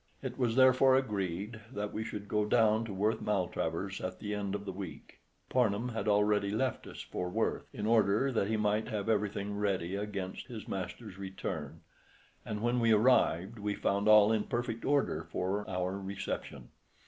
It was therefore agreed that we should go down to Worth Maltravers at the end of the week. Parnham had already left us for Worth in order that he might have everything ready against his master's return, and when we arrived we found all in perfect order for our reception.